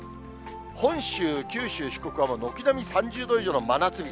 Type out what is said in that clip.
本州、九州、四国は軒並み３０度以上の真夏日。